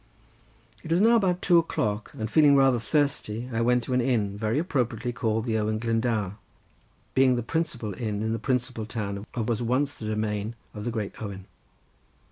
It was now about two o'clock, and feeling rather thirsty I went to an inn very appropriately called the Owen Glendower, being the principal inn in the principal town of what was once the domain of the great Owen.